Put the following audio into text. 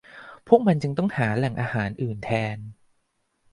พวกมันจึงต้องหาแหล่งอาหารอื่นแทน